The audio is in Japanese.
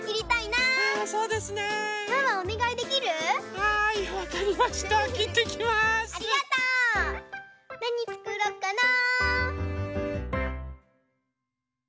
なにつくろうかな？